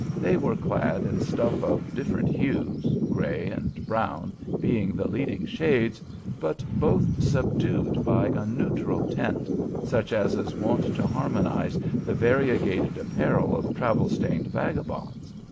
They were clad in stuff of different hues, gray and brown being the leading shades, but both subdued by a neutral tint, such as is wont to harmonize the variegated apparel of travel stained vagabonds.